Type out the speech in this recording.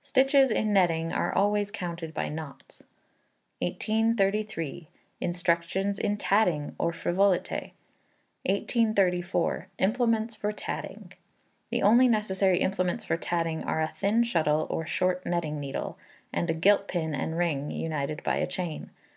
Stitches in Netting are always counted by knots. 1833. Instructions in Tatting, or Frivolite. 1834. Implements for Tatting. The only necessary implements for tatting are a thin shuttle or short netting needle, and a gilt pin and ring, united by a chain.